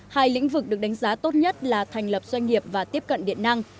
hai lĩnh vực được đánh giá tốt nhất là thành lập doanh nghiệp và tiếp cận điện năng